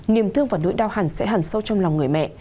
niềm thương và nỗi đau hẳn sẽ hẳn sâu trong lòng người mẹ